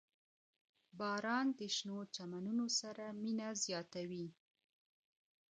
• باران د شنو چمنونو سره مینه زیاتوي.